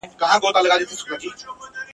موږ به بیا هغه یاران یو د سروګلو به غونډۍ وي ..